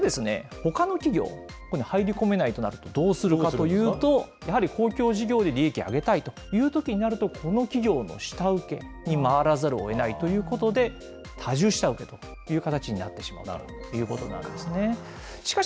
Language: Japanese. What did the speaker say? じゃあ、ほかの企業、こういうふうに入り込めないとなると、どうするかというと、やはり公共事業で利益を上げたいというときになると、この企業の下請けに回らざるをえないということで、多重下請けという形になってしまうということなんですね。